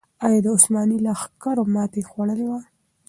آیا د عثماني لښکرو ماتې خوړلې وه؟